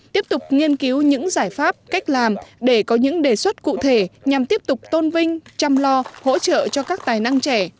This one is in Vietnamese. tiếp tục nghiên cứu những giải pháp cách làm để có những đề xuất cụ thể nhằm tiếp tục tôn vinh chăm lo hỗ trợ cho các tài năng trẻ